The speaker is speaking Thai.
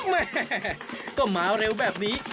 แม่ก็มาเร็วแบบนี้